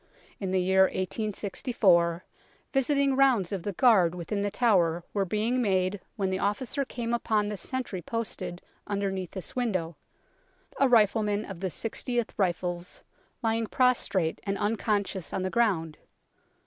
In the year 1864, visiting rounds of the guard within The Tower were being made when the officer came upon the sentry posted under neath this window, a rifleman of the 6oth Rifles, lying prostrate and unconscious on the ground.